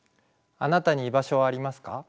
あなたに居場所はありますか？